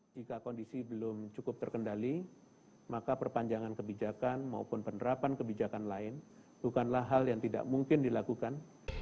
jika kondisi belum cukup terkendali maka perpanjangan kebijakan maupun penerapan kebijakan lain bukanlah hal yang tidak mungkin dilakukan